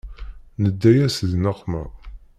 Nedda-yas di nneqma.